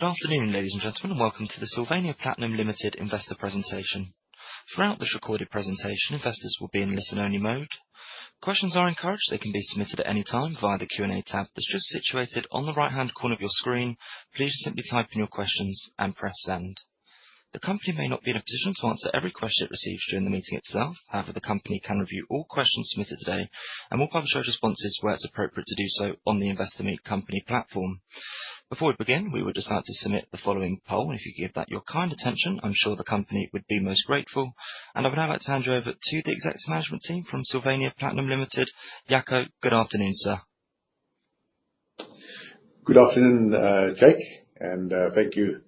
Good afternoon, ladies and gentlemen, and welcome to the Sylvania Platinum Limited Investor Presentation. Throughout this recorded presentation, investors will be in listen-only mode. Questions are encouraged. They can be submitted at any time via the Q&A tab that's just situated on the right-hand corner of your screen. Please simply type in your questions and press send. The company may not be in a position to answer every question it receives during the meeting itself. However, the company can review all questions submitted today and will publish our responses where it's appropriate to do so on the Investor Meet Company platform. Before we begin, we would just like to submit the following poll. If you give that your kind attention, I'm sure the company would be most grateful. I would now like to hand you over to the executive management team from Sylvania Platinum Limited. Jaco, good afternoon, sir. Good afternoon, Jake. Thank you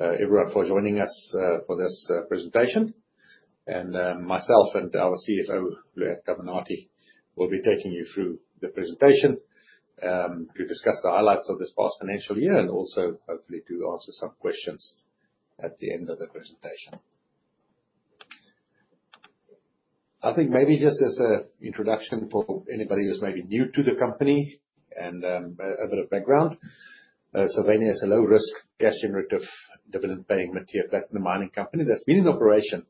everyone for joining us for this presentation. Myself and our CFO, Lewanne Carminati, will be taking you through the presentation to discuss the highlights of this past financial year and also hopefully to answer some questions at the end of the presentation. I think maybe just as an introduction for anybody who's maybe new to the company and a bit of background. Sylvania is a low-risk, cash-generative, dividend-paying material platinum mining company that's been in operation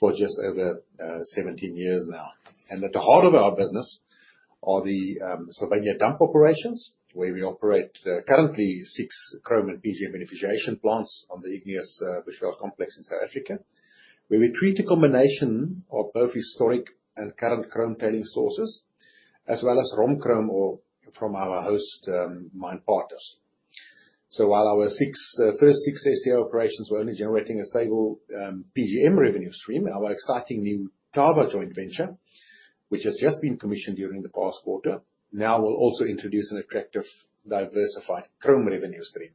for just over 17 years now. At the heart of our business are the Sylvania Dump Operations, where we operate currently six chrome and PGM beneficiation plants on the igneous Bushveld Complex in South Africa, where we treat a combination of both historic and current chrome tailings sources as well as chrome ore from our host mine partners. While our first six SDO operations were only generating a stable PGM revenue stream, our exciting new Thaba joint venture, which has just been commissioned during the past quarter, now will also introduce an attractive, diversified chrome revenue stream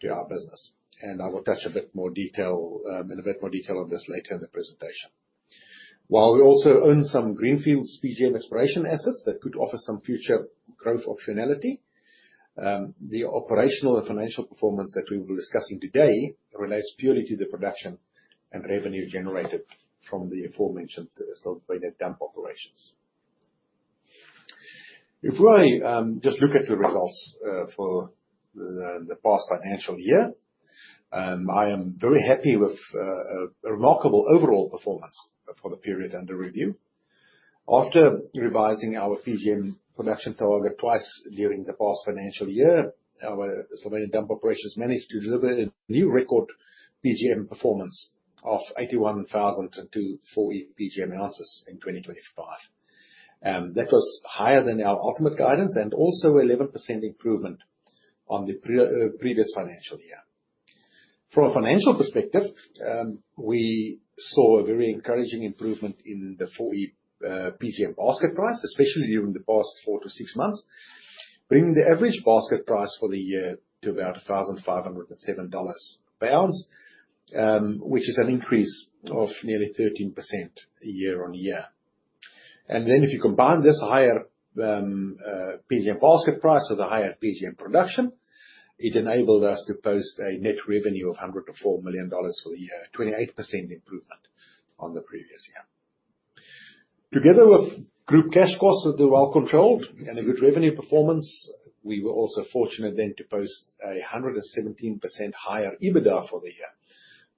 to our business. I will touch on a bit more detail on this later in the presentation. While we also own some greenfield PGM exploration assets that could offer some future growth optionality, the operational and financial performance that we will be discussing today relates purely to the production and revenue generated from the aforementioned Sylvania Dump Operations. If we just look at the results for the past financial year, I am very happy with a remarkable overall performance for the period under review. After revising our PGM production target twice during the past financial year, our Sylvania Dump Operations managed to deliver a new record PGM performance of 81,024 PGM ounces in 2025. That was higher than our ultimate guidance and also 11% improvement on the previous financial year. From a financial perspective, we saw a very encouraging improvement in the full year PGM basket price, especially during the past four-six months, bringing the average basket price for the year to about $1,507 per ounce, which is an increase of nearly 13% year-on-year. If you combine this higher PGM basket price with the higher PGM production, it enabled us to post a net revenue of $104 million for the year, a 28% improvement on the previous year. Together with group cash costs that were well controlled and a good revenue performance, we were also fortunate then to post 117% higher EBITDA for the year,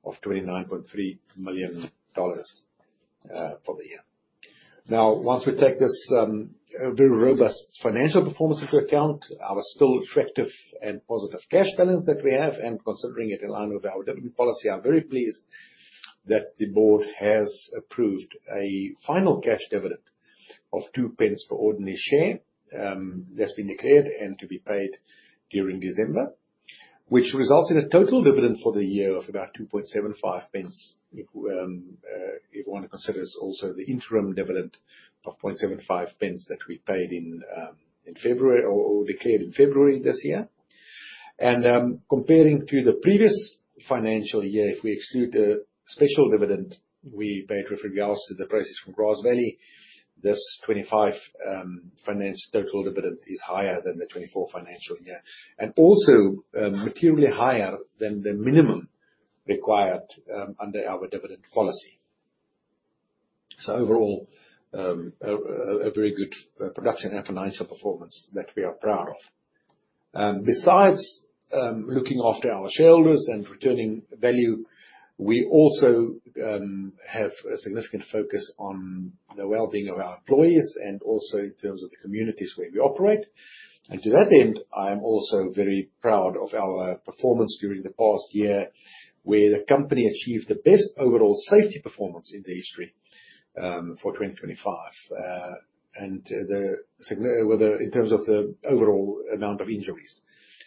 of $29.3 million for the year. Now, once we take this very robust financial performance into account, our still attractive and positive cash balance that we have, and considering it in line with our dividend policy, I'm very pleased that the board has approved a final cash dividend of 0.02 per ordinary share that's been declared and to be paid during December, which results in a total dividend for the year of about 0.0275, if one considers also the interim dividend of 0.0075 pence that we paid in February or declared in February this year. Comparing to the previous financial year, if we exclude the special dividend we paid with regards to the proceeds from Grasvally, this FY 2025 total dividend is higher than the FY 2024 financial year. Also materially higher than the minimum required under our dividend policy. Overall, a very good production and financial performance that we are proud of. Besides looking after our shareholders and returning value, we also have a significant focus on the well-being of our employees and also in terms of the communities where we operate. To that end, I am also very proud of our performance during the past year, where the company achieved the best overall safety performance in the history for 2025 in terms of the overall amount of injuries.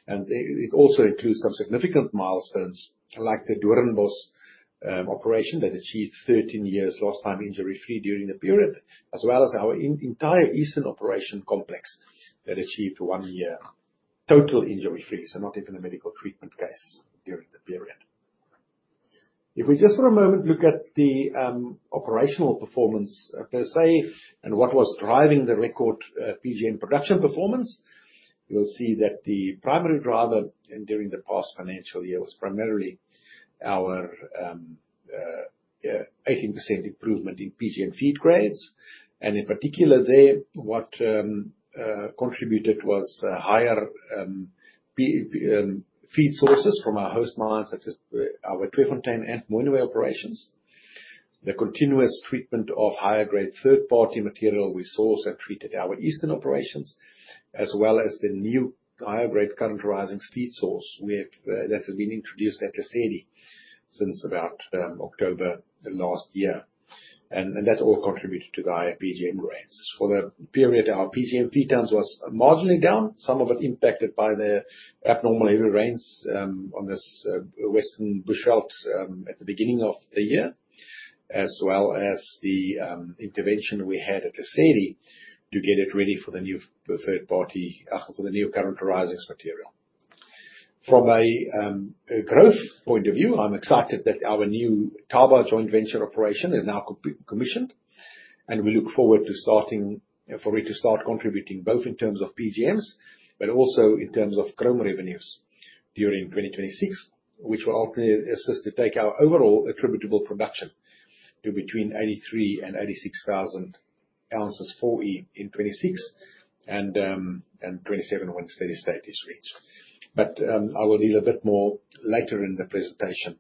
It also includes some significant milestones like the Doornbosch operation that achieved 13 years lost-time injury-free during the period, as well as our entire Eastern Operations complex that achieved one year total injury-free- not even a medical treatment case during the period. If we just for a moment look at the operational performance per se and what was driving the record PGM production performance, you'll see that the primary driver during the past financial year was primarily our 18% improvement in PGM feed grades. In particular there, what contributed was higher feed sources from our host mines, such as our Tweefontein and Mooinooi operations. The continuous treatment of higher grade third-party material we source and treated our Eastern Operations, as well as the new higher grade current arisings feed source that has been introduced at Lesedi since about October last year. That all contributed to the higher PGM grades. For the period, our PGM feed tons was marginally down, some of it impacted by the abnormal heavy rains on this Western Bushveld at the beginning of the year, as well as the intervention we had at Lesedi to get it ready for the new current arisings material. From a growth point of view, I'm excited that our new Thaba joint venture operation is now completely commissioned, and we look forward to it to start contributing both in terms of PGMs but also in terms of chrome revenues during 2026, which will ultimately assist to take our overall attributable production to between 83,000 and 86,000 ounces full year in 2026, and 2027 once steady state is reached. I will deal a bit more later in the presentation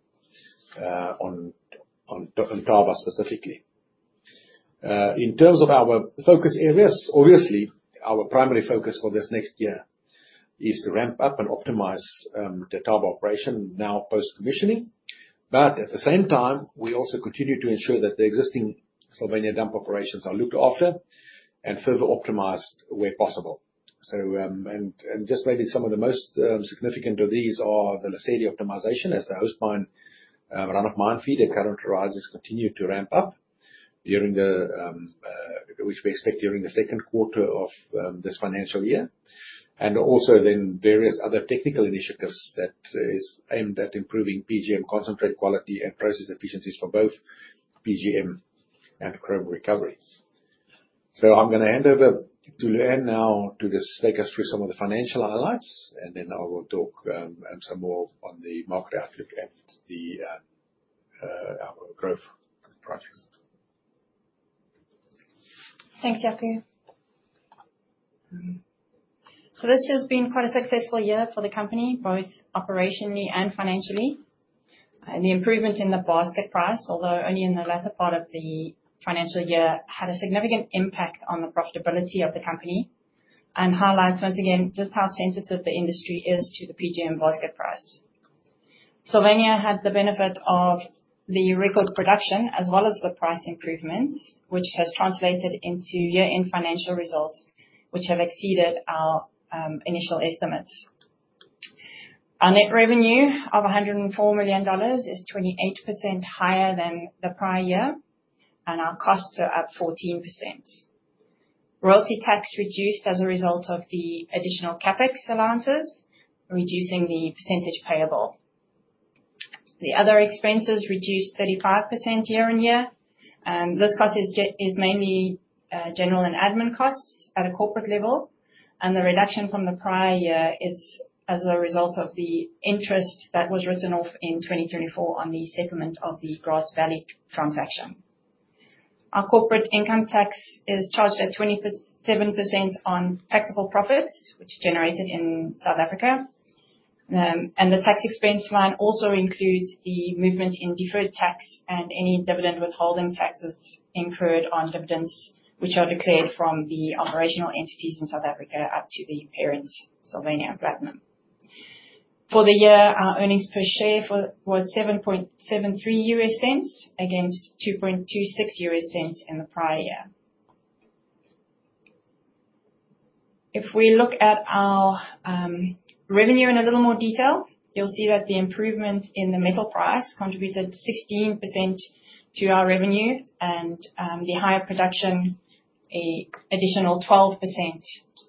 on Thaba specifically. In terms of our focus areas, obviously, our primary focus for this next year is to ramp up and optimize the Thaba operation now post-commissioning. At the same time, we also continue to ensure that the existing Sylvania Dump Operations are looked after and further optimized where possible. Just maybe some of the most significant of these are the Lesedi optimization as the host mine run-of-mine feed and current arisings continue to ramp up, which we expect during the second quarter of this financial year. Various other technical initiatives that is aimed at improving PGM concentrate quality and process efficiencies for both PGM and chrome recovery. I'm going to hand over to Lewanne now to just take us through some of the financial highlights, and then I will talk some more on the market outlook and our growth projects. Thanks, Jaco. This year's been quite a successful year for the company, both operationally and financially. The improvement in the basket price, although only in the latter part of the financial year, had a significant impact on the profitability of the company and highlights once again just how sensitive the industry is to the PGM basket price. Sylvania had the benefit of the record production as well as the price improvements, which has translated into year-end financial results, which have exceeded our initial estimates. Our net revenue of $104 million is 28% higher than the prior year, and our costs are up 14%. Royalty tax reduced as a result of the additional CapEx allowances, reducing the percentage payable. The other expenses reduced 35% year-on-year, and this cost is mainly general and admin costs at a corporate level, and the reduction from the prior year is as a result of the interest that was written off in 2024 on the settlement of the Grasvally transaction. Our corporate income tax is charged at 27% on taxable profits, which is generated in South Africa. The tax expense line also includes the movement in deferred tax and any dividend withholding taxes incurred on dividends, which are declared from the operational entities in South Africa up to the parent, Sylvania Platinum. For the year, our earnings per share was 0.0773 against 0.0226 in the prior year. If we look at our revenue in a little more detail, you'll see that the improvement in the metal price contributed 16% to our revenue and the higher production, additional 12%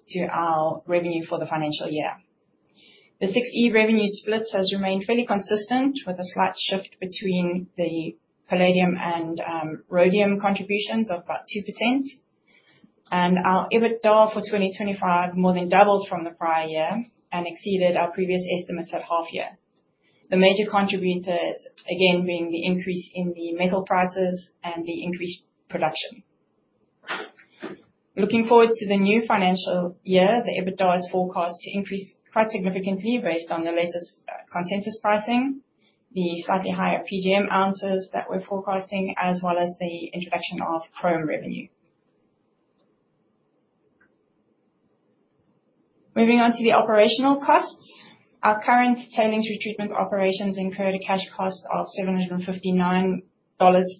to our revenue for the financial year. The 6E revenue split has remained fairly consistent, with a slight shift between the palladium and rhodium contributions of about 2%. Our EBITDA for 2025 more than doubled from the prior year and exceeded our previous estimates at half year. The major contributor again being the increase in the metal prices and the increased production. Looking forward to the new financial year, the EBITDA is forecast to increase quite significantly based on the latest consensus pricing, the slightly higher PGM ounces that we're forecasting, as well as the introduction of chrome revenue. Moving on to the operational costs. Our current tailings retreatment operations incurred a cash cost of $759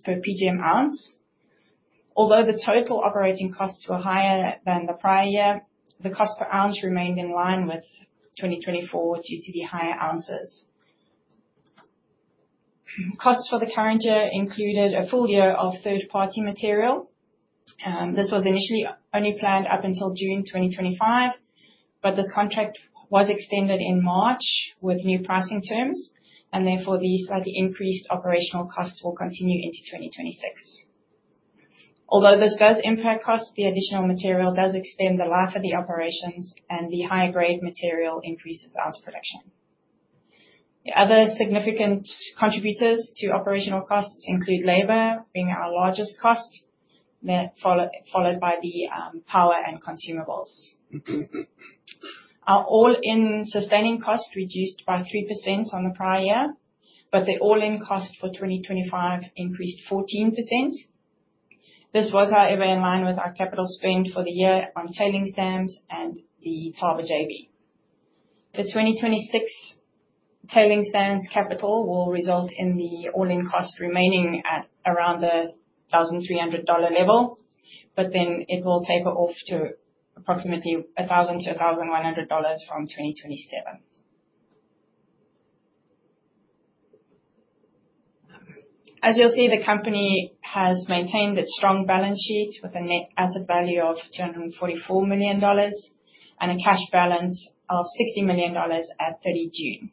per PGM ounce. Although the total operating costs were higher than the prior year, the cost per ounce remained in line with 2024 due to the higher ounces. Costs for the current year included a full year of third-party material. This was initially only planned up until June 2025, but this contract was extended in March with new pricing terms, and therefore, the slightly increased operational costs will continue into 2026. Although this does impact costs, the additional material does extend the life of the operations, and the high-grade material increases ounce production. The other significant contributors to operational costs include labor being our largest cost, followed by the power and consumables. Our all-in sustaining costs reduced by 3% on the prior year, but the all-in cost for 2025 increased 14%. This was however in line with our capital spend for the year on tailings dams and the Thaba JV. The 2026 tailings dams' capital will result in the all-in cost remaining at around the $1,300 level, but then it will taper off to approximately $1,000-$1,100 from 2027. As you'll see, the company has maintained its strong balance sheet with a net asset value of $244 million, and a cash balance of $60 million at 30 June.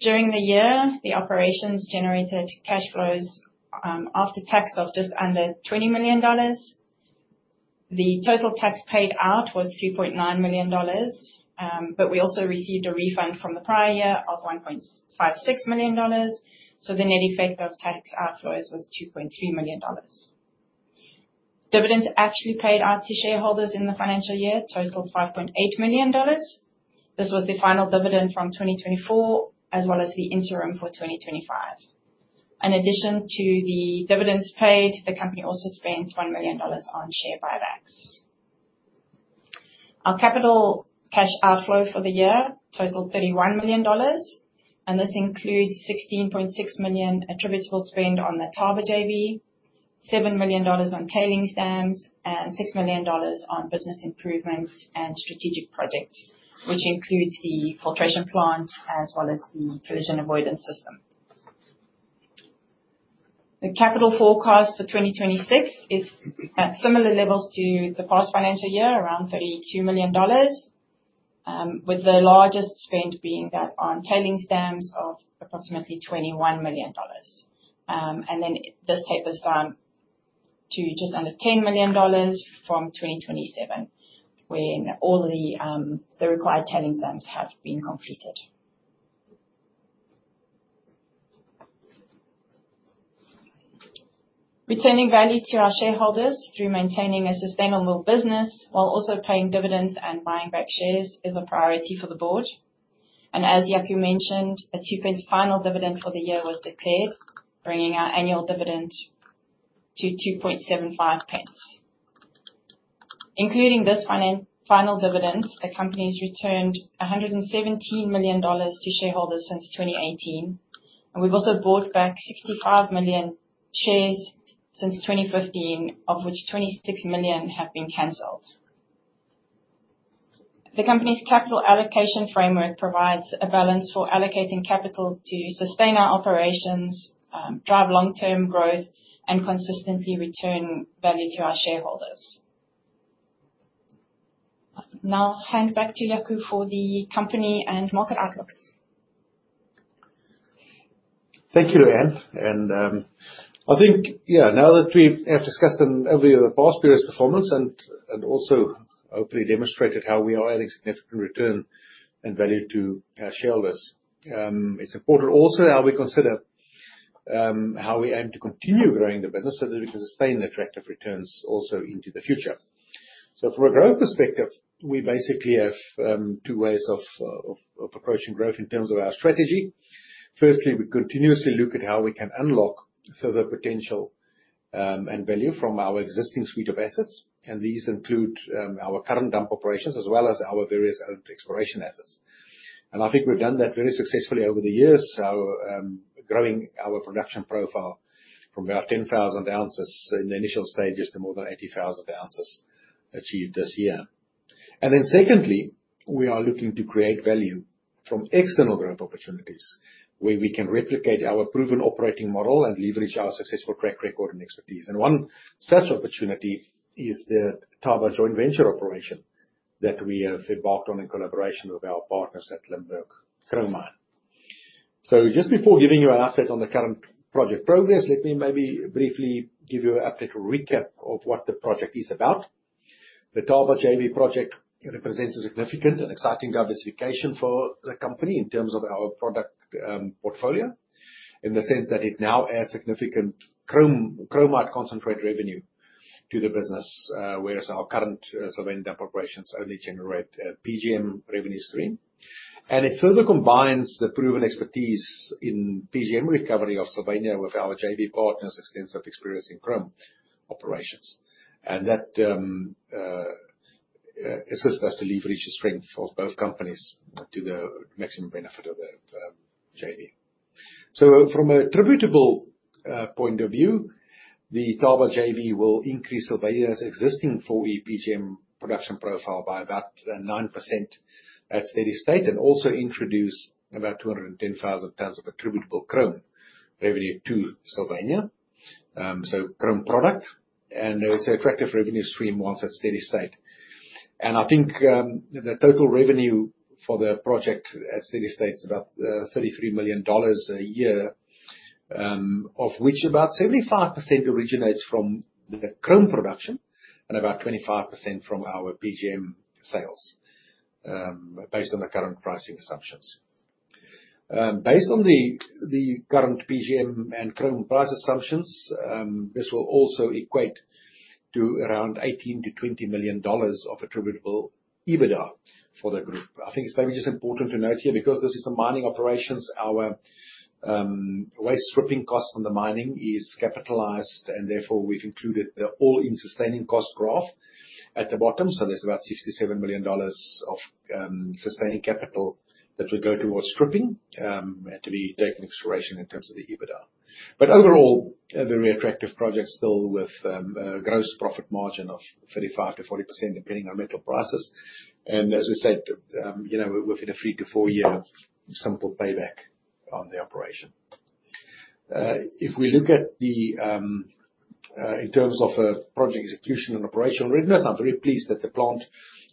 During the year, the operations generated cash flows, after tax of just under $20 million. The total tax paid out was $2.9 million, but we also received a refund from the prior year of $1.56 million. So the net effect of tax outflows was $2.2 million. Dividends actually paid out to shareholders in the financial year totaled $5.8 million. This was the final dividend from 2024, as well as the interim for 2025. In addition to the dividends paid, the company also spent $1 million on share buybacks. Our capital cash outflow for the year totaled $31 million, and this includes $16.6 million attributable spend on the Thaba JV, $7 million on tailings dams, and $6 million on business improvements and strategic projects, which includes the filtration plant as well as the collision avoidance system. The capital forecast for 2026 is at similar levels to the past financial year, around $32 million, with the largest spend being that on tailings dams of approximately $21 million. This tapers down to just under $10 million from 2027, when all the required tailings dams have been completed. Returning value to our shareholders through maintaining a sustainable business while also paying dividends and buying back shares is a priority for the board. As Jaco mentioned, a 0.02 pence final dividend for the year was declared, bringing our annual dividend to 0.0275 pence. Including this final dividend, the company's returned $117 million to shareholders since 2018, and we've also bought back 65 million shares since 2015, of which 26 million have been canceled. The company's capital allocation framework provides a balance for allocating capital to sustain our operations, drive long-term growth, and consistently return value to our shareholders. I'll now hand back to Jaco for the company and market outlooks. Thank you, Lewanne. I think now that we have discussed over the past period's performance and also hopefully demonstrated how we are adding significant return and value to our shareholders, it's important also how we consider how we aim to continue growing the business so that we can sustain the attractive returns also into the future. From a growth perspective, we basically have two ways of approaching growth in terms of our strategy. Firstly, we continuously look at how we can unlock further potential and value from our existing suite of assets- these include our current dump operations as well as our various exploration assets. I think we've done that very successfully over the years. Growing our production profile from about 10,000 ounces in the initial stages to more than 80,000 ounces achieved this year. Secondly, we are looking to create value from external growth opportunities where we can replicate our proven operating model and leverage our successful track record and expertise. One such opportunity is the Thaba joint venture operation that we have embarked on in collaboration with our partners at Limberg Chrome Mine. Just before giving you an update on the current project progress, let me maybe briefly give you a quick recap of what the project is about. The Thaba JV project represents a significant and exciting diversification for the company in terms of our product portfolio, in the sense that it now adds significant chromite concentrate revenue to the business, whereas our current Sylvania operations only generate a PGM revenue stream. It further combines the proven expertise in PGM recovery of Sylvania with our JV partner's extensive experience in chrome operations. That assists us to leverage the strength of both companies to the maximum benefit of the JV. From an attributable point of view, the Thaba JV will increase Sylvania's existing full PGM production profile by about 9% at steady state, and also introduce about 210,000 tons of attributable chrome revenue to Sylvania. Chrome product, and it's attractive revenue stream once at steady state. I think the total revenue for the project at steady state is about $33 million a year, of which about 75% originates from the chrome production and about 25% from our PGM sales, based on the current pricing assumptions. Based on the current PGM and chrome price assumptions, this will also equate to around $18 million-$20 million of attributable EBITDA for the group. I think it's maybe just important to note here, because this is a mining operation, our waste stripping costs from the mining is capitalized, and therefore, we've included the all-in sustaining cost graph at the bottom. There's about $67 million of sustaining capital that will go towards stripping to be taken into consideration in terms of the EBITDA. Overall, a very attractive project still with a gross profit margin of 35%-40%, depending on metal prices. As we said, within a three-four year simple payback on the operation. If we look in terms of project execution and operational readiness, I'm very pleased that the plant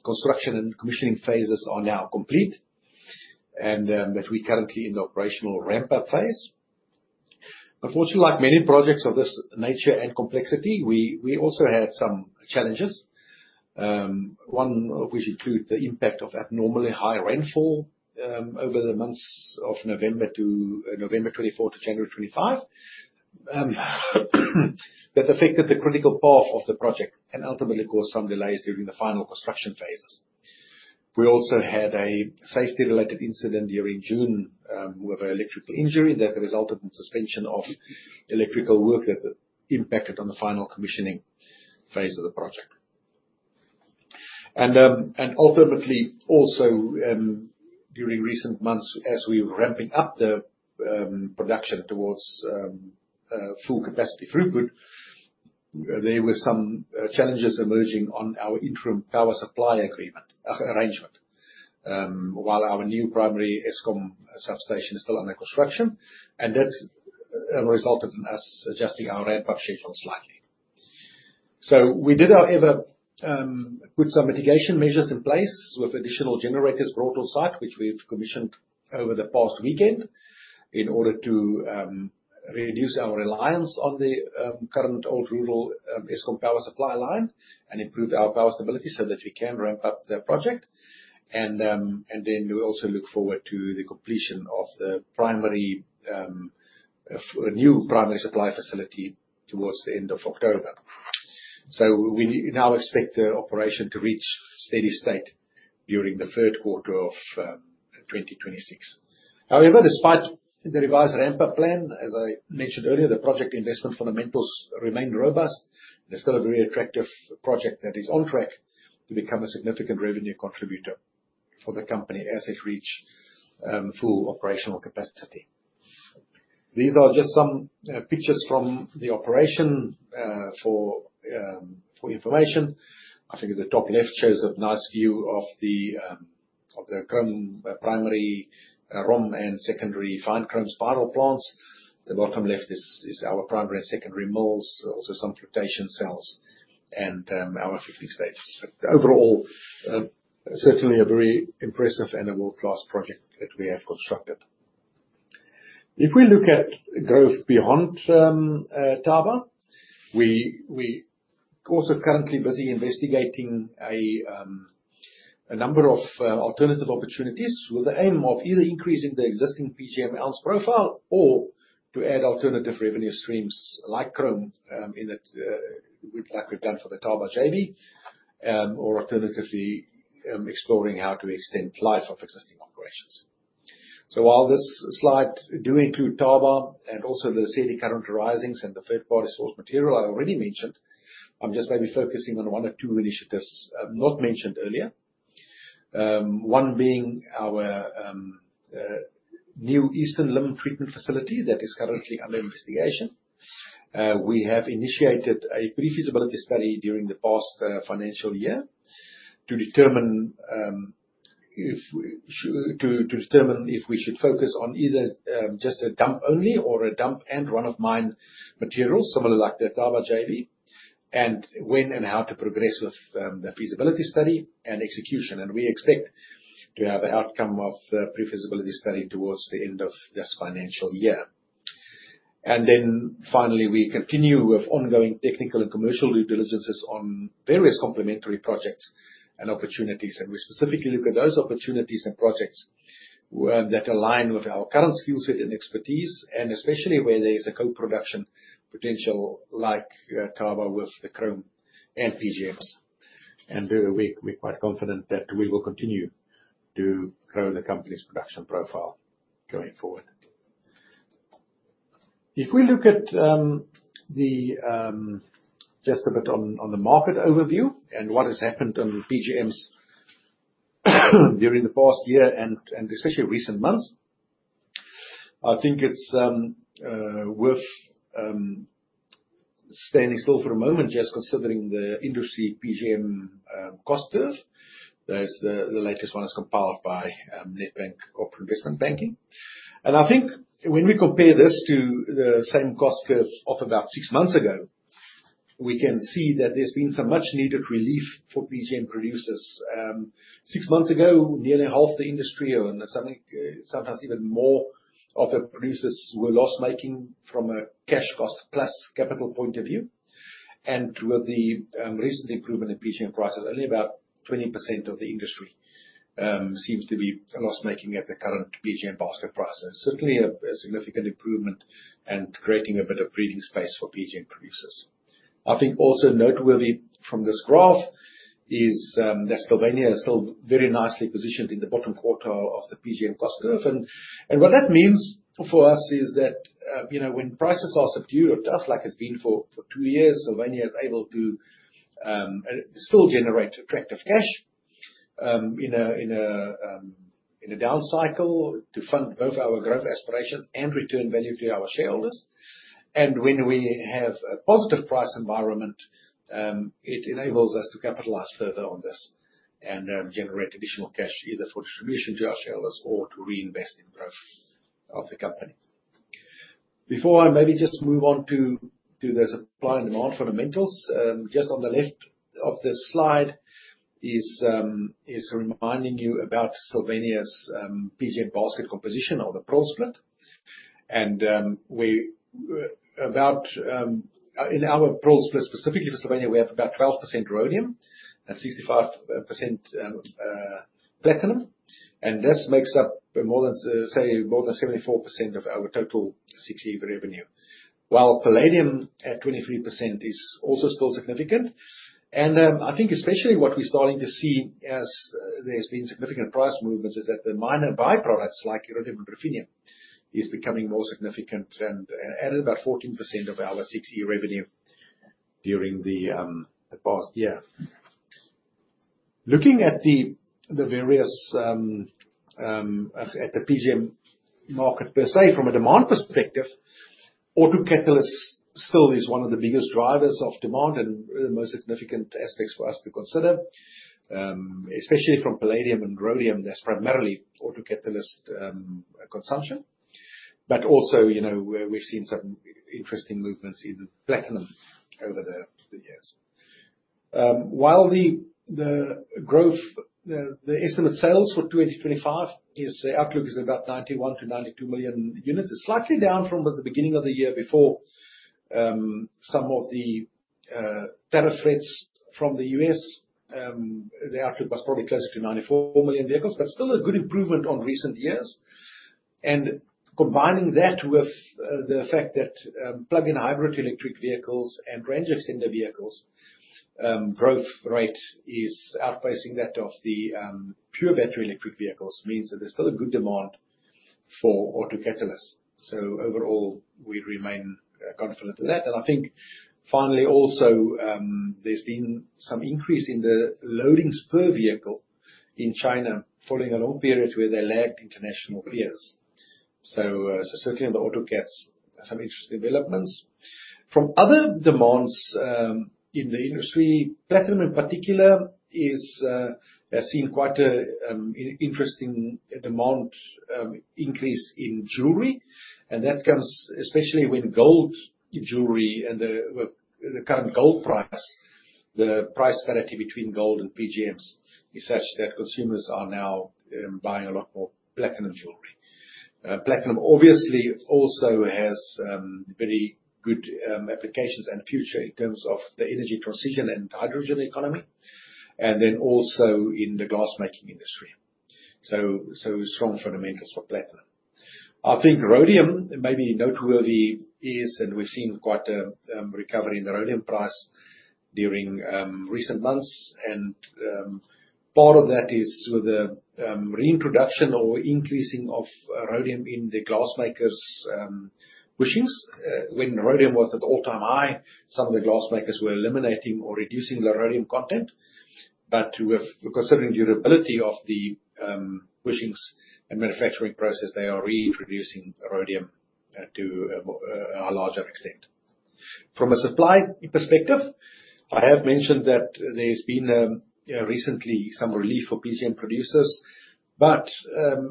construction and commissioning phases are now complete and that we're currently in the operational ramp-up phase. Unfortunately, like many projects of this nature and complexity, we also had some challenges. One of which include the impact of abnormally high rainfall over the months of November 2024 to January 2025 that affected the critical path of the project and ultimately caused some delays during the final construction phases. We also had a safety-related incident during June, with an electrical injury that resulted in suspension of electrical work that impacted on the final commissioning phase of the project. Ultimately, also during recent months, as we were ramping up the production towards full capacity throughput, there were some challenges emerging on our interim power supply agreement, arrangement, while our new primary Eskom substation is still under construction, and that resulted in us adjusting our ramp-up schedule slightly. We did, however, put some mitigation measures in place with additional generators brought on site, which we've commissioned over the past weekend in order to reduce our reliance on the current old rural Eskom power supply line and improve our power stability so that we can ramp up the project. We also look forward to the completion of the new primary supply facility towards the end of October. We now expect the operation to reach steady state during the third quarter of 2026. However, despite the revised ramp-up plan, as I mentioned earlier, the project investment fundamentals remain robust. It's got a very attractive project that is on track to become a significant revenue contributor for the company as it reaches full operational capacity. These are just some pictures from the operation for information. I think at the top left shows a nice view of the chrome primary ROM and secondary fine chrome spiral plants. The bottom left is our primary and secondary mills, also some flotation cells and our thickener stages. Overall, certainly a very impressive and a world-class project that we have constructed. If we look at growth beyond Thaba, we also currently busy investigating a number of alternative opportunities with the aim of either increasing the existing PGM ounce profile or to add alternative revenue streams like chrome, like we've done for the Thaba JV. Alternatively, exploring how to extend life of existing operations. While this slide does include Thaba and also the Lesedi current arisings and the third-party source material I already mentioned, I'm just maybe focusing on one or two initiatives not mentioned earlier. One being our new Eastern Limb treatment facility that is currently under investigation. We have initiated a pre-feasibility study during the past financial year to determine if we should focus on either just a dump only or a dump and run-of-mine materials, similar like the Thaba JV, and when and how to progress with the feasibility study and execution. We expect to have the outcome of the pre-feasibility study towards the end of this financial year. Finally, we continue with ongoing technical and commercial due diligences on various complementary projects and opportunities. We specifically look at those opportunities and projects that align with our current skill set and expertise, and especially where there is a co-production potential like Thaba with the chrome and PGMs. We're quite confident that we will continue to grow the company's production profile going forward. If we look at just a bit on the market overview and what has happened on PGMs during the past year and especially recent months, I think it's worth standing still for a moment just considering the industry PGM cost curve. There's the latest one is compiled by Nedbank Corporate and Investment Banking. I think when we compare this to the same cost curves of about six months ago, we can see that there's been some much-needed relief for PGM producers. Six months ago, nearly half the industry or sometimes even more of the producers were loss-making from a cash cost plus capital point of view. With the recent improvement in PGM prices, only about 20% of the industry seems to be loss-making at the current PGM basket price. Certainly, a significant improvement and creating a bit of breathing space for PGM producers. I think also noteworthy from this graph is that Sylvania is still very nicely positioned in the bottom quartile of the PGM cost curve. What that means for us is that when prices are subdued or tough, like it's been for two years, Sylvania is able to still generate attractive cash in a down cycle to fund both our growth aspirations and return value to our shareholders. When we have a positive price environment, it enables us to capitalize further on this and generate additional cash either for distribution to our shareholders or to reinvest in growth of the company. Before I maybe just move on to the supply and demand fundamentals, just on the left of this slide is reminding you about Sylvania's PGM basket composition or the prill split. In our prill split, specifically for Sylvania, we have about 12% rhodium and 65% platinum, and this makes up more than 74% of our total 6E revenue. While palladium at 23% is also still significant. I think especially what we're starting to see as there's been significant price movements is that the minor by-products like iridium and ruthenium is becoming more significant and added about 14% of our 6E revenue during the past year. Looking at the PGM market per se, from a demand perspective, autocatalysts still is one of the biggest drivers of demand and the most significant aspects for us to consider- especially from palladium and rhodium, that's primarily autocatalyst consumption. Also, we've seen some interesting movements in platinum over the years. While the estimated sales for 2025 outlook is about 91-92 million units. It's slightly down from the beginning of the year before some of the tariff rates from the U.S. The outlook was probably closer to 94 million vehicles, but still a good improvement on recent years. Combining that with the fact that plug-in hybrid electric vehicles and range extender vehicles growth rate is outpacing that of the pure battery electric vehicles, means that there's still a good demand for autocatalysts. Overall, we remain confident of that. I think finally also, there's been some increase in the loadings per vehicle in China following a long period where they lagged international peers. Certainly on the auto cats, some interesting developments. From other demands in the industry, platinum in particular has seen quite an interesting demand increase in jewelry, and that comes especially when gold jewelry and the current gold price, the price parity between gold and PGMs is such that consumers are now buying a lot more platinum jewelry. platinum obviously also has very good applications and future in terms of the energy transition and hydrogen economy, and then also in the glass-making industry. Strong fundamentals for platinum. I think rhodium may be noteworthy as, and we've seen quite a recovery in the rhodium price during recent months. Part of that is with the reintroduction or increasing of rhodium in the glass makers' bushings. When rhodium was at all-time high, some of the glass makers were eliminating or reducing the rhodium content. Considering durability of the bushings and manufacturing process, they are reintroducing rhodium to a larger extent. From a supply perspective, I have mentioned that there's been recently some relief for PGM producers, but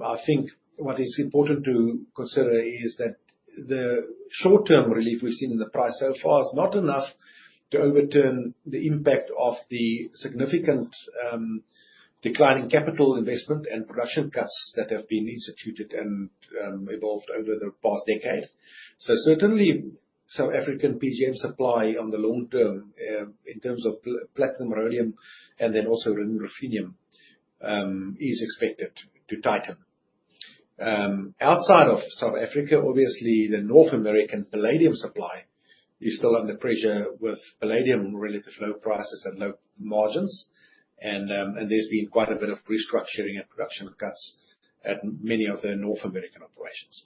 I think what is important to consider is that the short-term relief we've seen in the price so far is not enough to overturn the impact of the significant decline in capital investment and production cuts that have been instituted and evolved over the past decade. Certainly, South African PGM supply on the long term, in terms of platinum, rhodium, and then also ruthenium, is expected to tighten. Outside of South Africa, obviously, the North American palladium supply is still under pressure with palladium really low prices and low margins. There's been quite a bit of restructuring and production cuts at many of the North American operations.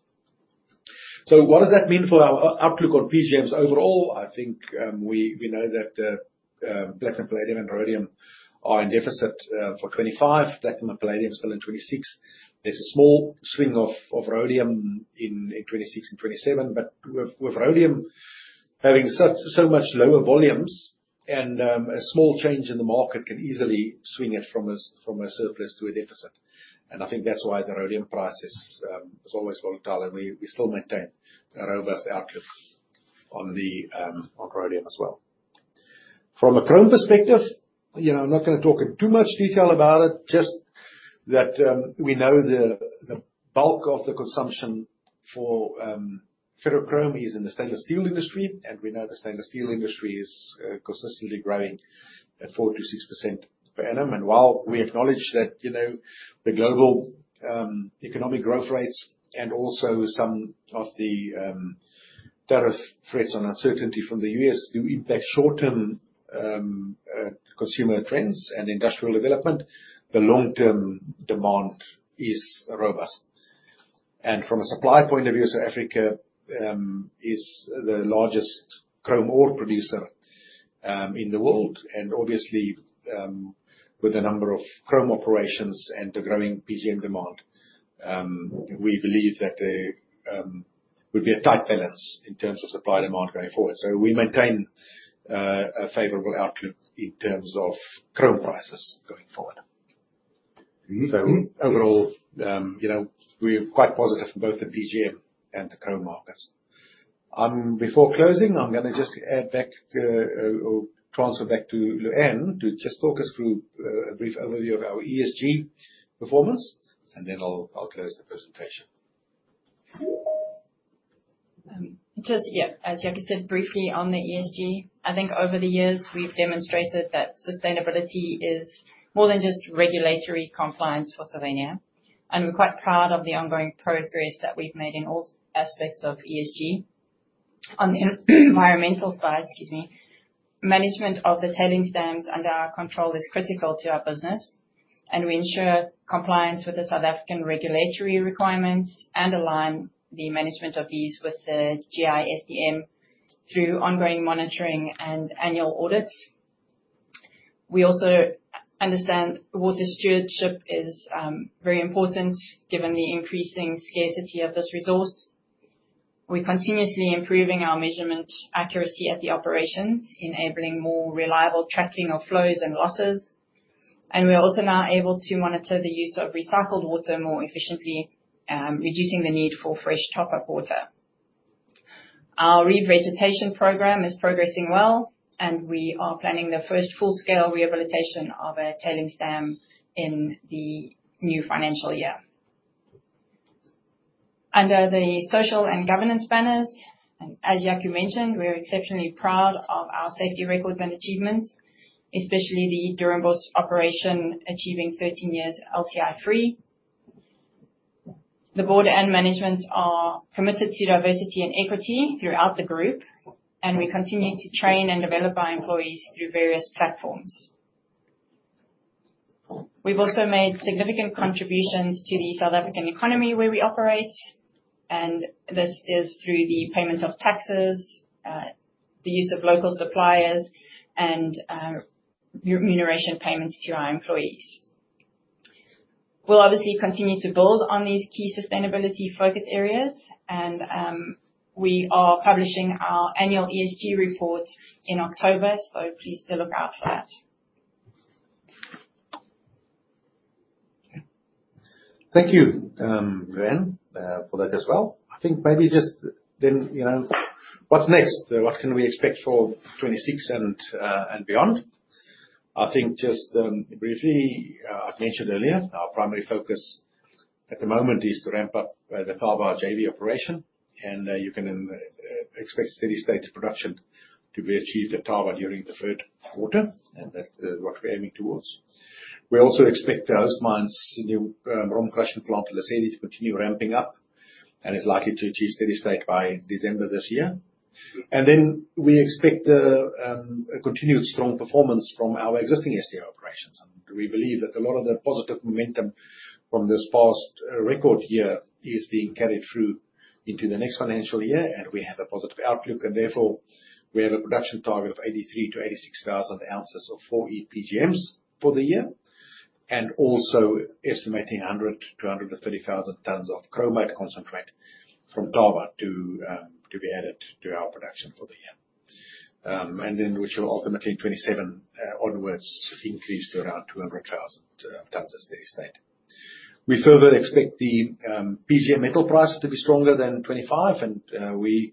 What does that mean for our outlook on PGMs overall? I think we know that platinum, palladium, and rhodium are in deficit for 2025. platinum and palladium still in 2026. There's a small swing of rhodium in 2026 and 2027. With rhodium having so much lower volumes, and a small change in the market can easily swing it from a surplus to a deficit. I think that's why the rhodium price is always volatile, and we still maintain a robust outlook on rhodium as well. From a chrome perspective, I'm not going to talk in too much detail about it, just that we know the bulk of the consumption for ferrochrome is in the stainless steel industry, and we know the stainless steel industry is consistently growing at 4%-6% per annum. While we acknowledge that the global economic growth rates and also some of the tariff threats and uncertainty from the U.S. do impact short-term consumer trends and industrial development, the long-term demand is robust. From a supply point of view, South Africa is the largest chrome ore producer in the world. Obviously, with a number of chrome operations and the growing PGM demand, we believe that there would be a tight balance in terms of supply and demand going forward. We maintain a favorable outlook in terms of chrome prices going forward. Overall, we're quite positive in both the PGM and the chrome markets. Before closing, I'm going to just add back or transfer back to Lewanne to just talk us through a brief overview of our ESG performance, and then I'll close the presentation. Just yeah, as Jaco said, briefly on the ESG, I think over the years, we've demonstrated that sustainability is more than just regulatory compliance for Sylvania, and we're quite proud of the ongoing progress that we've made in all aspects of ESG. On the environmental side, excuse me, management of the tailings dams under our control is critical to our business, and we ensure compliance with the South African regulatory requirements and align the management of these with the GISTM through ongoing monitoring and annual audits. We also understand water stewardship is very important given the increasing scarcity of this resource. We're continuously improving our measurement accuracy at the operations, enabling more reliable tracking of flows and losses. We are also now able to monitor the use of recycled water more efficiently, reducing the need for fresh top-up water. Our revegetation program is progressing well, and we are planning the first full-scale rehabilitation of a tailings dam in the new financial year. Under the social and governance banners, as Jaco mentioned, we're exceptionally proud of our safety records and achievements, especially the Doornbosch's operation achieving 13 years LTI free. The board and management are committed to diversity and equity throughout the group, and we continue to train and develop our employees through various platforms. We've also made significant contributions to the South African economy where we operate, and this is through the payment of taxes, the use of local suppliers, and remuneration payments to our employees. We'll obviously continue to build on these key sustainability focus areas, and we are publishing our annual ESG report in October, so please do look out for that. Thank you, Lewanne, for that as well. I think maybe just then, what's next? What can we expect for 2026 and beyond? I think just briefly, I've mentioned earlier, our primary focus at the moment is to ramp up the Thaba JV operation, and you can expect steady state production to be achieved at Thaba during the third quarter, and that's what we're aiming towards. We also expect the host mine's new rock crushing plant, Lesedi, to continue ramping up, and is likely to achieve steady state by December this year. We expect a continued strong performance from our existing SDO operations. We believe that a lot of the positive momentum from this past record year is being carried through into the next financial year, and we have a positive outlook. Therefore, we have a production target of 83,000-86,000 ounces of 4E PGMs for the year. We are also estimating 100,000-130,000 tonnes of chromite concentrate from Thaba to be added to our production for the year. Which will ultimately 2027 onwards increase to around 200,000 tonnes of steady state. We further expect the PGM metal prices to be stronger than 2025, and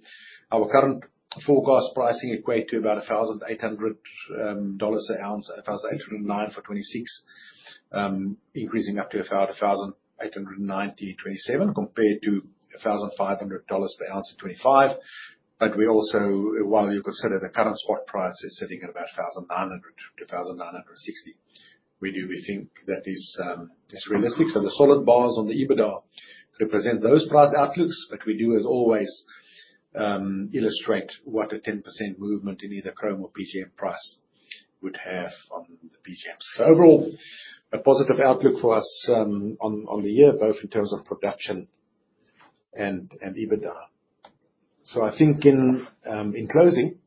our current forecast pricing equate to about $1,800 an ounce, $1,809 for 2026, increasing up to about $1,890 in 2027, compared to $1,500 per ounce in 2025. We also, while you consider the current spot price is sitting at about $1,900-$1,960, we do think that is realistic. The solid bars on the EBITDA represent those price outlooks. What we do is always illustrate what a 10% movement in either chrome or PGM price would have on the PGMs. Overall, a positive outlook for us on the year, both in terms of production and EBITDA. I think in closing,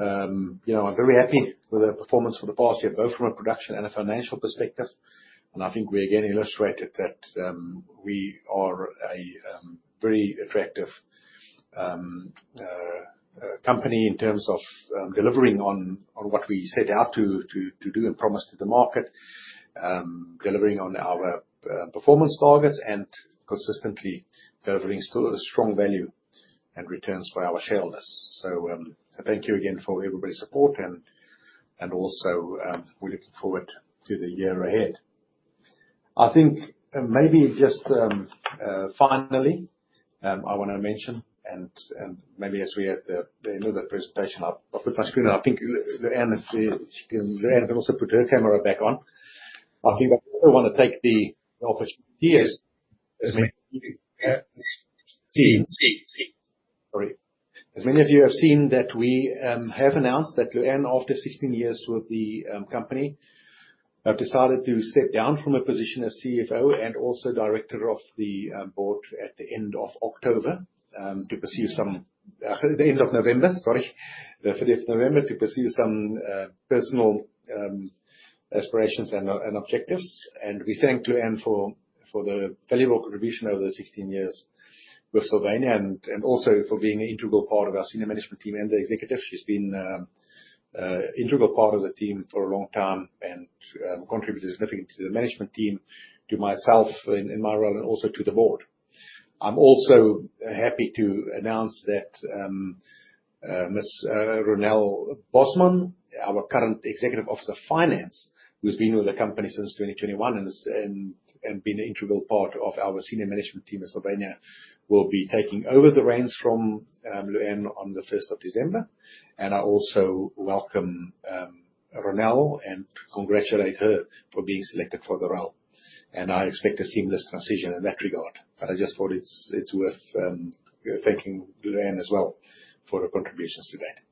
I'm very happy with the performance for the past year, both from a production and a financial perspective. I think we again illustrated that we are a very attractive company in terms of delivering on what we set out to do and promise to the market. Delivering on our performance targets and consistently delivering still a strong value and returns for our shareholders. Thank you again for everybody's support and also, we're looking forward to the year ahead. I think maybe just finally, I want to mention and maybe as we end the presentation, I'll put my screen up. I think if Lewanne is there, she can also put her camera back on. I think I also want to take the opportunity, as many of you have seen that we have announced that Lewanne, after 16 years with the company, have decided to step down from her position as CFO and also director of the board at the end of November, the 30th of November, to pursue some personal aspirations and objectives. We thank Lewanne for the valuable contribution over the 16 years with Sylvania, and also for being an integral part of our senior management team and the executives. She's been an integral part of the team for a long time and contributed significantly to the management team, to myself in my role, and also to the board. I'm also happy to announce that, Ms. Ronel Bosman, our current Executive Officer Finance, who's been with the company since 2021 and has been an integral part of our senior management team at Sylvania, will be taking over the reins from Lewanne on the 1st of December. I also welcome Ronel and congratulate her for being selected for the role, and I expect a seamless transition in that regard. I just thought it's worth thanking Lewanne as well for her contributions to date.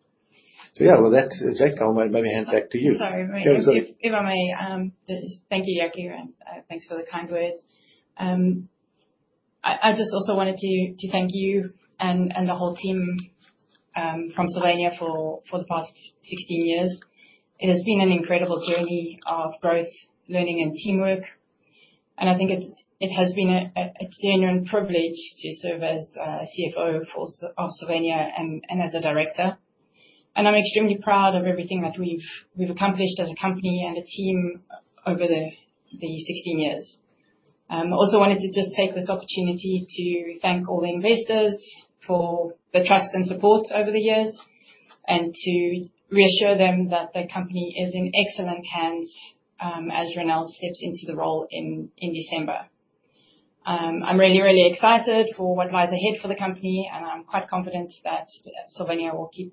Yeah, well, with that, Jake, I'll maybe hand back to you. Sorry. No, go ahead. If I may. Thank you, Jaco. Thanks for the kind words. I just also wanted to thank you and the whole team from Sylvania for the past 16 years. It has been an incredible journey of growth, learning, and teamwork, and I think it has been an extraordinary privilege to serve as CFO of Sylvania and as a Director. I'm extremely proud of everything that we've accomplished as a company and a team over the 16 years. I also wanted to just take this opportunity to thank all the investors for the trust and support over the years and to reassure them that the company is in excellent hands, as Ronel steps into the role in December. I'm really, really excited for what lies ahead for the company, and I'm quite confident that Sylvania will keep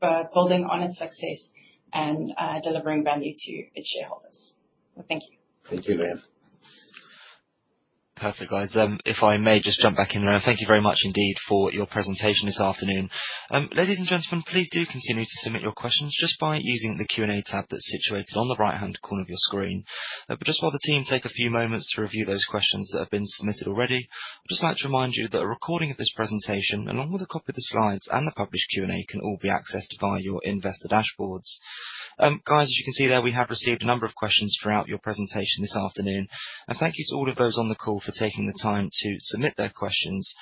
building on its success and delivering value to its shareholders. Thank you. Thank you, Lewanne. Perfect, guys. If I may just jump back in there. Thank you very much indeed for your presentation this afternoon. Ladies and gentlemen, please do continue to submit your questions just by using the Q&A tab that's situated on the right-hand corner of your screen. But just while the team take a few moments to review those questions that have been submitted already, I'd just like to remind you that a recording of this presentation, along with a copy of the slides and the published Q&A, can all be accessed via your investor dashboards. Guys, as you can see there, we have received a number of questions throughout your presentation this afternoon. Thank you to all of those on the call for taking the time to submit their questions.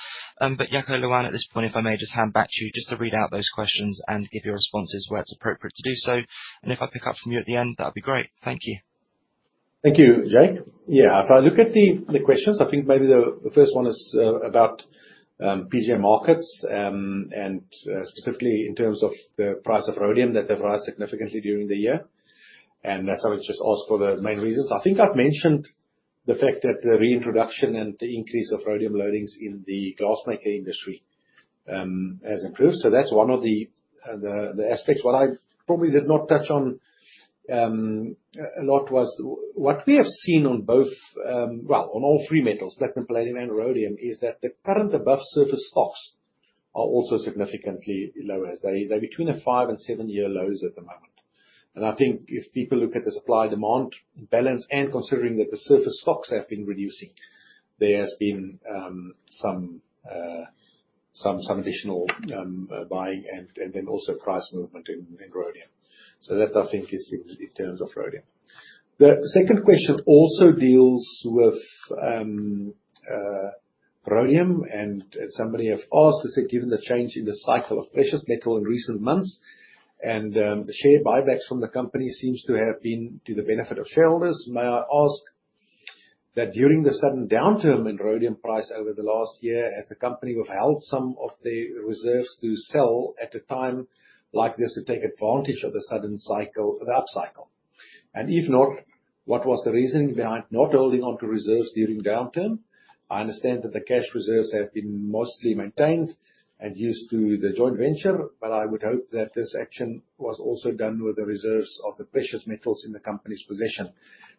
Jaco and Lewanne, at this point, if I may just hand back to you just to read out those questions and give your responses where it's appropriate to do so. If I pick up from you at the end, that'd be great. Thank you. Thank you, Jake. Yeah. If I look at the questions, I think maybe the first one is about PGM markets, and specifically in terms of the price of rhodium, that they've risen significantly during the year. Somebody's just asked for the main reasons. I think I've mentioned the fact that the reintroduction and the increase of rhodium loadings in the glassmaking industry has improved. That's one of the aspects. What I probably did not touch on a lot was what we have seen on both, well, on all three metals, platinum, palladium, and rhodium, is that the current above-surface stocks are also significantly lower. They're between the five and seven-year lows at the moment. I think if people look at the supply-demand balance and considering that the surface stocks have been reducing, there has been some additional buying and then also price movement in rhodium. That, I think, is in terms of rhodium. The second question also deals with rhodium and somebody has asked, they said, "Given the change in the cycle of precious metal in recent months, and the share buybacks from the company seems to have been to the benefit of shareholders, may I ask that during the sudden downturn in rhodium price over the last year, has the company withheld some of the reserves to sell at a time like this to take advantage of the sudden cycle, the upcycle? And if not, what was the reasoning behind not holding onto reserves during downturn? I understand that the cash reserves have been mostly maintained and used through the joint venture. I would hope that this action was also done with the reserves of the precious metals in the company's possession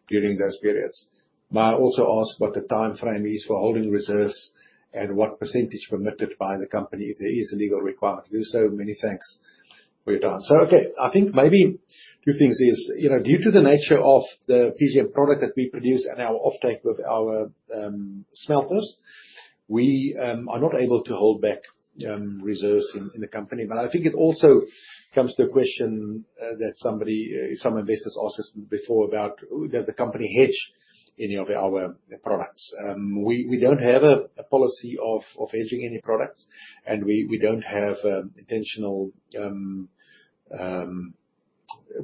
during those periods. May I also ask what the timeframe is for holding reserves and what percentage is permitted by the company, if there is a legal requirement to do so? Many things to answer. Okay, I think maybe two things is, due to the nature of the PGM product that we produce and our offtake with our smelters, we are not able to hold back reserves in the company. I think it also comes to a question that some investors asked us before about does the company hedge any of our products? We don't have a policy of hedging any products, and we don't have intentional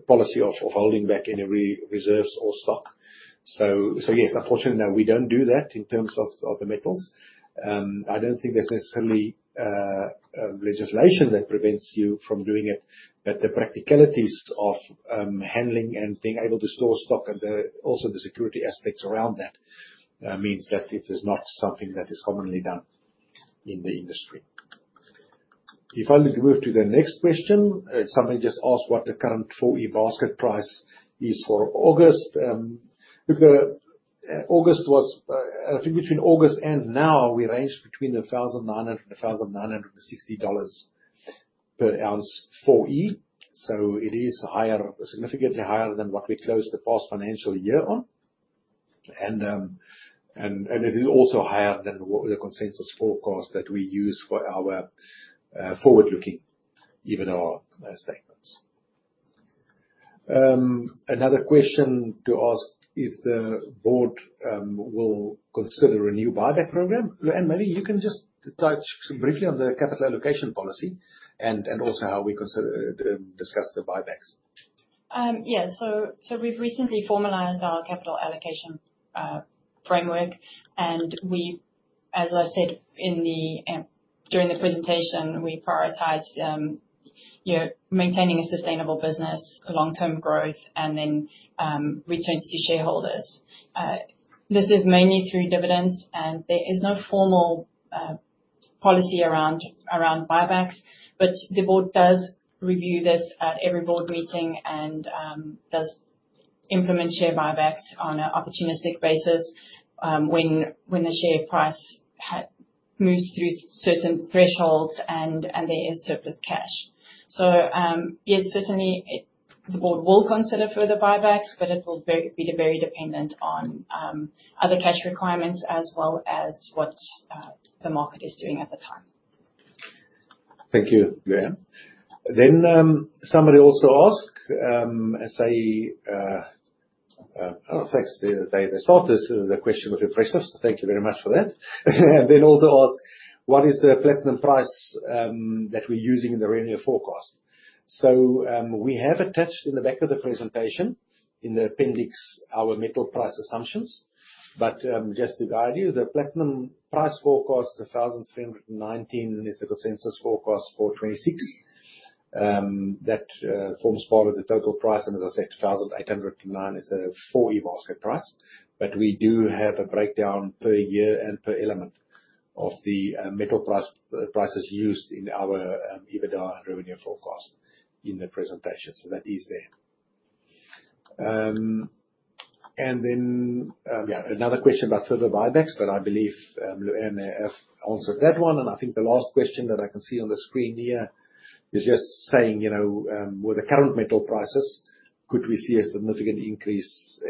policy of holding back any reserves or stock. Yes, unfortunately, we don't do that in terms of the metals. I don't think there's necessarily legislation that prevents you from doing it, but the practicalities of handling and being able to store stock and also the security aspects around that, means that it is not something that is commonly done in the industry. If I may move to the next question. Somebody just asked what the current 4E basket price is for August. I think between August and now, we range between $1,900-$1,960 per ounce 4E. It is significantly higher than what we closed the past financial year on. It is also higher than what the consensus forecast that we use for our forward-looking annual statements. Another question to ask, if the board will consider a new buyback program. Lewanne, you can just touch briefly on the capital allocation policy, and also how we discuss the buybacks. We've recently formalized our capital allocation framework, and as I said during the presentation, we prioritize maintaining a sustainable business, long-term growth, and then returns to shareholders. This is mainly through dividends, and there is no formal policy around buybacks. The Board does review this at every Board meeting and does implement share buybacks on an opportunistic basis, when the share price moves through certain thresholds and there is surplus cash. Yes, certainly the Board will consider further buybacks, but it will be very dependent on other cash requirements as well as what the market is doing at the time. Thank you, Lewanne. Somebody also asked. Oh, thanks. They thought the question was impressive. Thank you very much for that. Also asked, what is the platinum price that we're using in the revenue forecast. We have attached in the back of the presentation, in the appendix, our metal price assumptions. Just to guide you, the platinum price forecast is $1,319, and it's the consensus forecast for 2026. That forms part of the total price. As I said, $2,809 is the 4E basket price. We do have a breakdown per year and per element of the metal prices used in our EBITDA revenue forecast in the presentation. That is there. Another question about further buybacks, but I believe Lewanne answered that one. I think the last question that I can see on the screen here is just saying, with the current metal prices, could we see a significant increase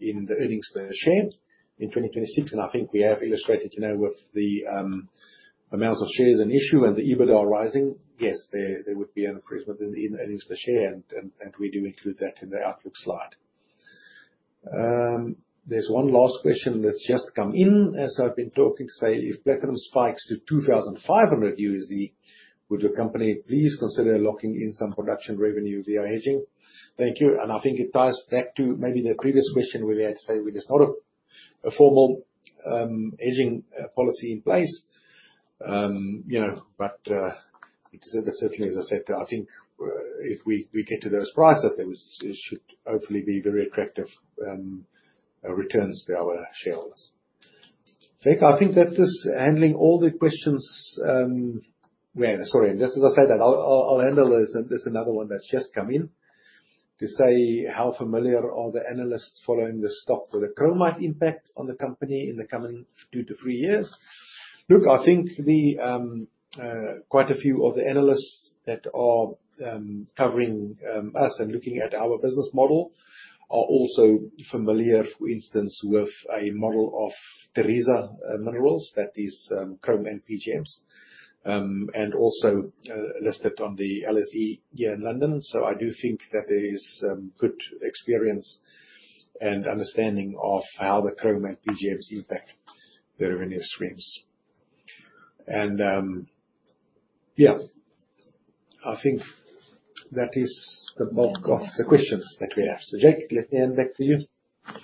in the earnings per share in 2026? I think we have illustrated with the amounts of shares in issue and the EBITDA rising. Yes, there would be an increase in the earnings per share, and we do include that in the outlook slide. There's one last question that's just come in as I've been talking, say if platinum spikes to $2,500, would the company please consider locking in some production revenue via hedging? Thank you. I think it ties back to maybe the previous question where we had to say there's not a formal hedging policy in place. Certainly, as I said, I think, if we get to those prices, it should hopefully be very attractive returns to our shareholders. Jake, I think that is handling all the questions. Sorry. Just as I said that, I'll handle this. There's another one that's just come in to say, how familiar are the analysts following the stock with the chromite impact on the company in the coming two-three years? Look, I think quite a few of the analysts that are covering us and looking at our business model are also familiar, for instance, with a model of Tharisa Minerals that is chrome and PGMs, and also listed on the LSE here in London. I do think that there is good experience and understanding of how the chrome and PGMs impact the revenue streams. Yeah, I think that is the bulk of the questions that we have. Jake, let me hand back to you.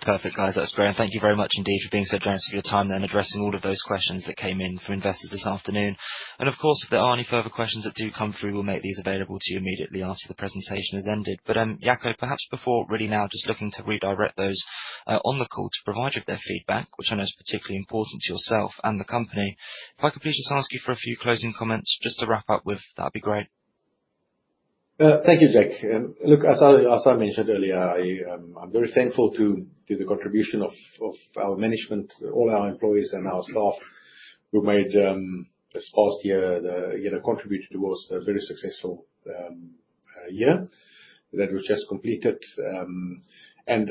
Perfect guys. That's great. Thank you very much indeed for being so generous with your time, then addressing all of those questions that came in for investors this afternoon. Of course, if there are any further questions that do come through, we'll make these available to you immediately after the presentation has ended. Jaco, perhaps before really now just looking to redirect those on the call to provide you with their feedback, which I know is particularly important to yourself and the company, if I could please just ask you for a few closing comments just to wrap up with, that'd be great. Thank you, Jake. Look, as I mentioned earlier, I'm very thankful to the contribution of our management, all our employees and our staff who this past year contributed towards a very successful year that we've just completed. As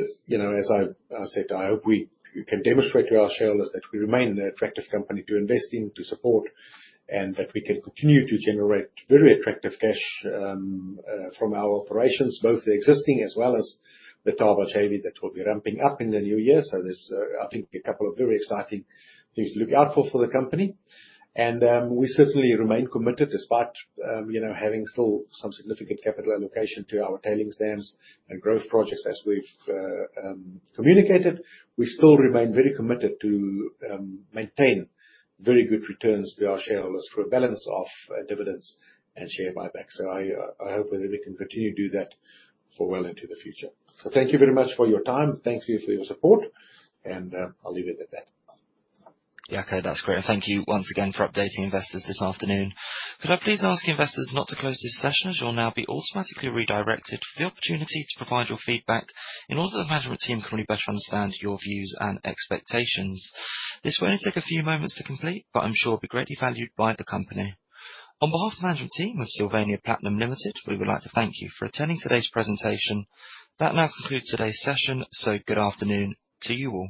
I said, I hope we can demonstrate to our shareholders that we remain an attractive company to invest in, to support, and that we can continue to generate very attractive cash from our operations, both the existing as well as the Thaba JV that will be ramping up in the new year. There's, I think, a couple of very exciting things to look out for the company. We certainly remain committed despite having still some significant capital allocation to our tailings dams and growth projects as we've communicated. We still remain very committed to maintain very good returns to our shareholders through a balance of dividends and share buybacks. I hope that we can continue to do that for well into the future. Thank you very much for your time. Thank you for your support and I'll leave it at that. Jaco, that's great. Thank you once again for updating investors this afternoon. Could I please ask investors not to close this session as you'll now be automatically redirected for the opportunity to provide your feedback in order that the management team can really better understand your views and expectations. This will only take a few moments to complete, but I'm sure will be greatly valued by the company. On behalf of the management team of Sylvania Platinum Limited, we would like to thank you for attending today's presentation. That now concludes today's session, so good afternoon to you all.